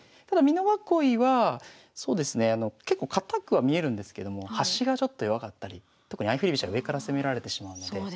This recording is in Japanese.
ただ美濃囲いはそうですね結構堅くは見えるんですけども端がちょっと弱かったり特に相振り飛車上から攻められてしまうので。